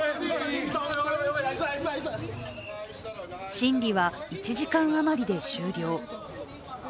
審理は１時間あまりで終了。